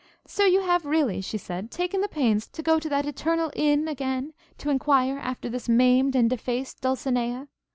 'So you have really,' she said, 'taken the pains to go to that eternal inn again, to enquire after this maimed and defaced Dulcinea?